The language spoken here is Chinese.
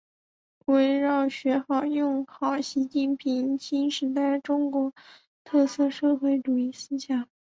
围绕学好、用好习近平新时代中国特色社会主义思想